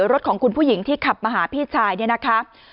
รถของคุณผู้หญิงที่ขับมาหาพี่ชายเนี่ยนะคะ